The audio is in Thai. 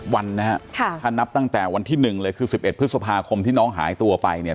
วันนะครับถ้านับตั้งแต่วันที่๑เลยคือ๑๑พฤษภาคมที่น้องหายตัวไปเนี่ย